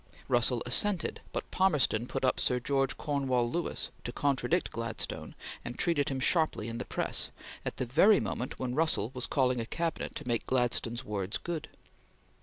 Russell assented, but Palmerston put up Sir George Cornewall Lewis to contradict Gladstone and treated him sharply in the press, at the very moment when Russell was calling a Cabinet to make Gladstone's words good.